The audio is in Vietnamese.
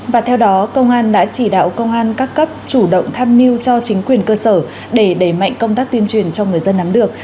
và theo đó công an đã chỉ đạo công an các cấp chủ động tham mưu cho chính quyền cơ sở để đẩy mạnh công tác tuyên truyền cho người dân nắm được